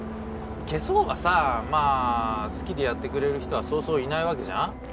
消すほうはさまあ好きでやってくれる人はそうそういないわけじゃん？